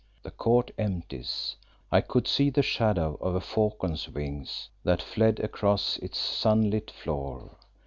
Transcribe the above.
The court empties; I could see the shadow of a falcon's wings that fled across its sunlit floor.